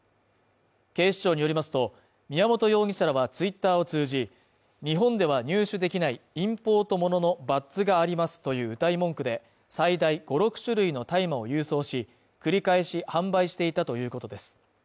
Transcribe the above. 警視庁によりますと、宮本容疑者らはツイッターを通じ、日本では入手できないインポートもののバッズがありますという謳い文句で最大５６種類の大麻を郵送し、繰り返し販売していたということです。